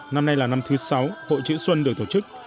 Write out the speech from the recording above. năm nay là năm thứ sáu hội chữ xuân được tổ chức